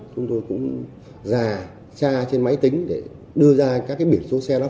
chúng tôi cũng ra tra trên máy tính để đưa ra các biển số xe đó